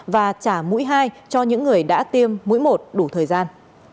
và trả mũi hai cho những người đã tiêm mũi một đủ thời gian